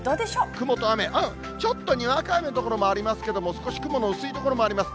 雲と雨、ちょっとにわか雨の所がありますけれども、少し雲の薄い所もあります。